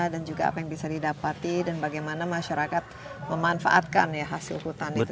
dan juga apa yang bisa didapati dan bagaimana masyarakat memanfaatkan ya hasil hutan itu sendiri